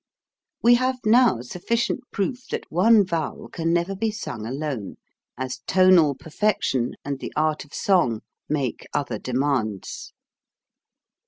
We have now sufficient proof that one vowel can never be sung alone, as tonal perfection and the art of song make other demands.